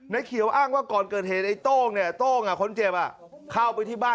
เขียวอ้างว่าก่อนเกิดเหตุไอ้โต้งเนี่ยโต้งคนเจ็บเข้าไปที่บ้าน